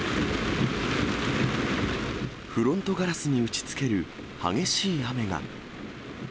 フロントガラスに打ちつける激しい雨が。